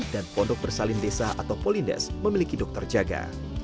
dan pondok bersalin desa atau polindes memiliki dokter jaga